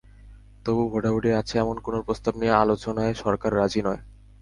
তবুও ভোটাভুটি আছে এমন কোনো প্রস্তাব নিয়ে আলোচনায় সরকার রাজি নয়।